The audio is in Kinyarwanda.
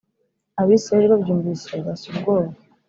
Abisirayeli babyumvise bashya ubwoba